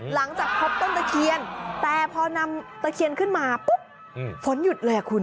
หลังจากพบต้นตะเคียนแต่พอนำตะเคียนขึ้นมาปุ๊บฝนหยุดเลยคุณ